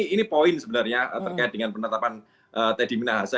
ini poin sebenarnya terkait dengan penetapan teddy minahasa